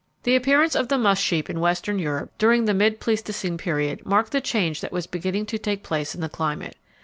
_ The appearance of the musk sheep in western Europe during the mid Pleistocene period marked the change that was beginning to take place in the climate.